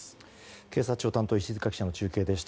警察庁担当、石塚記者の中継でした。